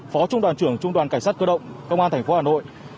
phó trung đoàn trưởng trung đoàn cảnh sát cơ động công an tp hà nội